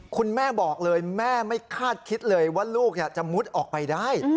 คุณแม่บอกเลยแม่ไม่คาดคิดเลยว่าลูกจะมุดออกไปได้